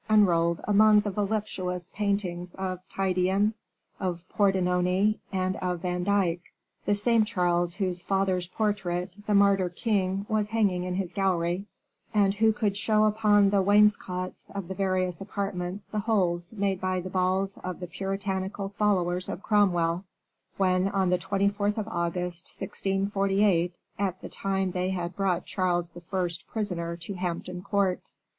unrolled among the voluptuous paintings of Titian, of Pordenone and of Van Dyck; the same Charles whose father's portrait the martyr king was hanging in his gallery, and who could show upon the wainscots of the various apartments the holes made by the balls of the puritanical followers of Cromwell, when on the 24th of August, 1648, at the time they had brought Charles I. prisoner to Hampton Court.